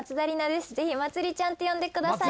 ぜひまつりちゃんって呼んでください。